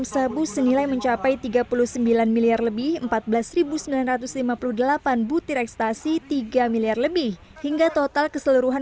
sabu senilai mencapai tiga puluh sembilan miliar lebih empat belas sembilan ratus lima puluh delapan butir ekstasi tiga miliar lebih hingga total keseluruhan